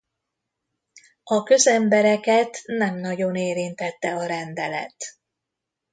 A közembereket nem nagyon érintette a rendelet.